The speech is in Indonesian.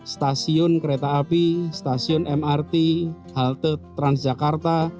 stasiun kereta api stasiun mrt halte transjakarta